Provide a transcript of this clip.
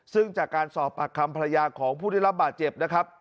ซึ่งจากการสอบปากคำภรรยาของผู้ได้รับบาดเจ็บนะครับ